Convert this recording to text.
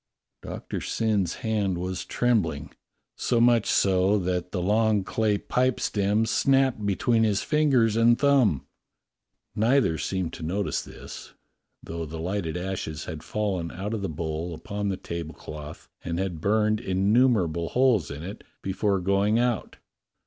Doctor Syn's hand was trembling, so much so that the long clay pipe stem snapped between his finger and thumb. Neither seemed to notice this, though the lighted ashes had fallen out of the bowl upon the table A CmiOUS BREAKFAST PARTY 153 cloth and had burned innumerable holes in it before going out.